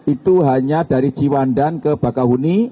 itu hanya dari ciwandan ke bakahuni